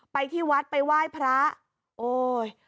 ไปที่วัดไปไหว้พระโอ้ย